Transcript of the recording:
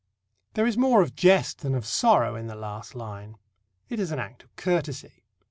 There is more of jest than of sorrow in the last line. It is an act of courtesy.